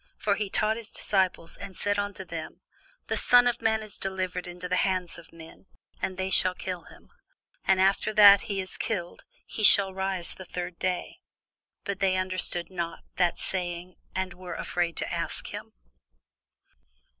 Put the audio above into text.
For he taught his disciples, and said unto them, The Son of man is delivered into the hands of men, and they shall kill him; and after that he is killed, he shall rise the third day. But they understood not that saying, and were afraid to ask him.